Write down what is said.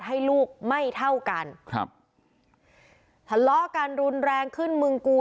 ให้ลูกไม่เท่ากันครับทะเลาะกันรุนแรงขึ้นมึงกู